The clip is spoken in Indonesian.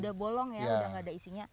sudah bolong ya tidak ada isinya